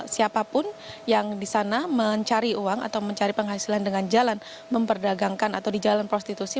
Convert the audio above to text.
siapapun yang di sana mencari uang atau mencari penghasilan dengan jalan memperdagangkan atau di jalan prostitusi